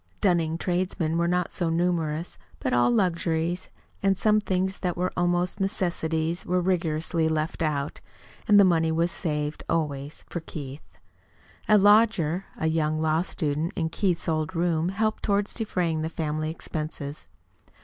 Dunning tradesmen were not so numerous. But all luxuries, and some things that were almost necessities, were rigorously left out. And the money was saved always for Keith. A lodger, a young law student, in Keith's old room helped toward defraying the family expenses.